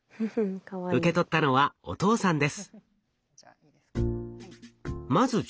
受け取ったのはお父さんです。